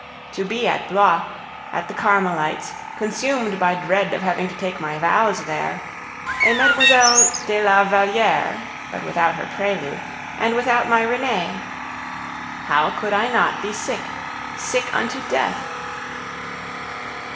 To be at Blois, at the Carmelites, consumed by dread of having to take my vows there, a Mlle. de la Valliere, but without her prelude, and without my Renee! How could I not be sick sick unto death?